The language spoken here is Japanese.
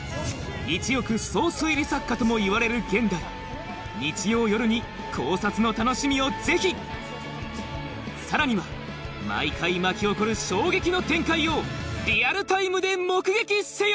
ともいわれる現代日曜夜に考察の楽しみをぜひさらには毎回巻き起こる衝撃の展開をリアルタイムで目撃せよ！